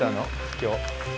今日。